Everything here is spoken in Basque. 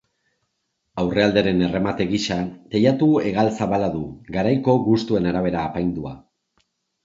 Aurrealdearen erremate gisa, teilatu-hegal zabala du, garaiko gustuen arabera apaindua.